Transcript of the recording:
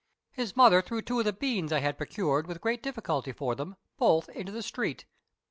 His mother threw two of the beans I had procured with great difficulty for them both into the street.